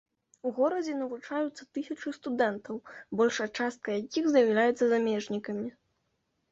У горадзе навучаюцца тысячы студэнтаў, большая частка якіх з'яўляецца замежнікамі.